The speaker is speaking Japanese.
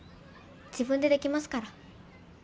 自分でできますから。